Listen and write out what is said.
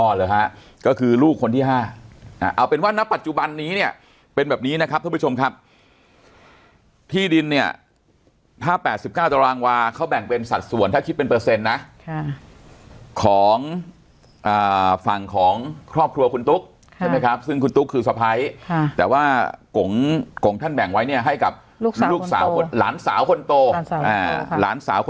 เหรอฮะก็คือลูกคนที่๕เอาเป็นว่าณปัจจุบันนี้เนี่ยเป็นแบบนี้นะครับท่านผู้ชมครับที่ดินเนี่ยถ้า๘๙ตารางวาเขาแบ่งเป็นสัดส่วนถ้าคิดเป็นเปอร์เซ็นต์นะของฝั่งของครอบครัวคุณตุ๊กใช่ไหมครับซึ่งคุณตุ๊กคือสะพ้ายแต่ว่ากงท่านแบ่งไว้เนี่ยให้กับลูกสาวคนหลานสาวคนโตหลานสาว